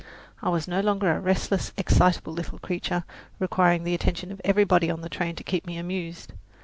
I was no longer a restless, excitable little creature, requiring the attention of everybody on the train to keep me amused.